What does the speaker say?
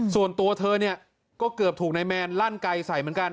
ส่วนตัวเธอเนี่ยก็เกือบถูกนายแมนลั่นไกลใส่เหมือนกัน